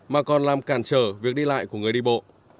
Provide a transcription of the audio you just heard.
mà còn làm cản trở việc đi lại của người đi bộ